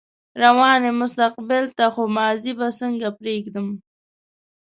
روان يم مستقبل ته خو ماضي به څنګه پرېږدم